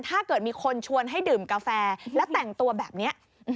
ถ้าเกิดมีคนชวนให้ดื่มกาแฟแล้วแต่งตัวแบบนี้